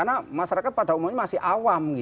karena masyarakat pada umumnya masih awam